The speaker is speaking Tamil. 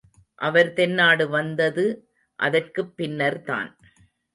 அவர் தென்னாடு வந்தது அதற்குப் பின்னர்தான்.